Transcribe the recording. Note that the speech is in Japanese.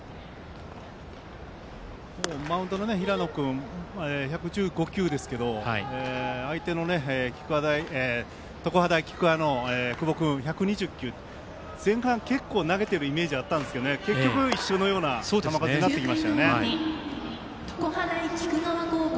マウンドの平野君１１５球ですけど相手の常葉大菊川の久保君は１２０球と、前半結構投げているイメージがあったんですけど結局一緒のような球数になってきましたね。